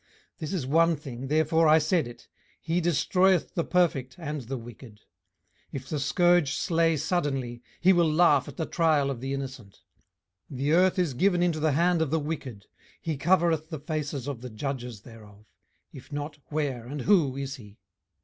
18:009:022 This is one thing, therefore I said it, He destroyeth the perfect and the wicked. 18:009:023 If the scourge slay suddenly, he will laugh at the trial of the innocent. 18:009:024 The earth is given into the hand of the wicked: he covereth the faces of the judges thereof; if not, where, and who is he?